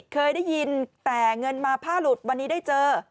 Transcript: เคยได้ยินแต่เงินมาผ้าหลุดวันนี้ได้เจอ